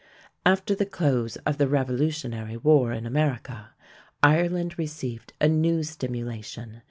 After the close of the Revolutionary War in America, Ireland received a new stimulation.